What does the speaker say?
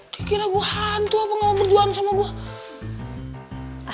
dia kira gue hantu apa gak mau berjuang sama gue